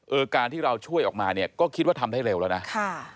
การที่เราช่วยออกมาเนี่ยก็คิดว่าทำได้เร็วแล้วนะค่ะ